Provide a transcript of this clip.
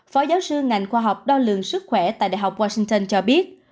phó giáo sư ngành khoa học đo lường sức khỏe tại đại học washington cho biết